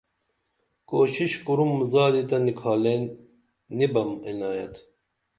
کوشش کُرُم زادی تہ نِکھالین نی بم عنایت